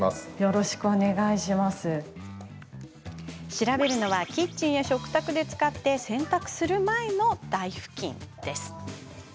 調べるのはキッチンや食卓で使って洗濯する前の台ふきんです。